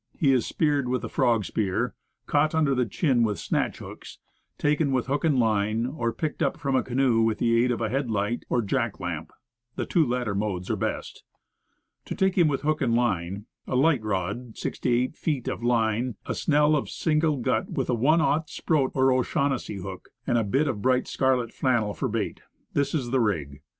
He is speared with a frog spear; caught under the chin with snatch hooks; taken with hook and line, or picked up from a canoe with the aid of a headlight, or jack lamp. The two latter modes are best. To take him with hook and line; a light rod, six to eight feet of line, a snell of single gut with a i o Sproat or O'Shaughnessy hook, and a bit of bright scarlet flannel for bait; this is the rig.